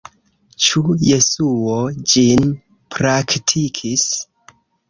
Ĉu Jesuo ĝin praktikis?